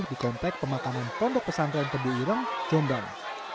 di komplek pemakaman tondok pesantren tebu irem jombang